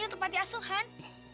untuk pati asuhan